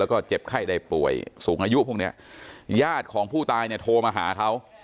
แล้วก็เจ็บไข้ได้ป่วยสูงอายุพวกเนี้ยญาติของผู้ตายเนี่ยโทรมาหาเขา